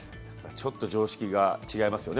ちょっと常識が違いますよね。